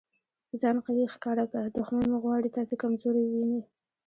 ځان قوي ښکاره که! دوښمن مو غواړي تاسي کمزوری وویني.